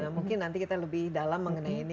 mungkin nanti kita lebih dalam mengenai ini